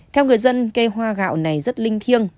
theo người dân cây hoa gạo này rất linh thiêng